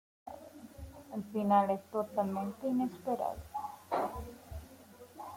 El final es totalmente inesperado.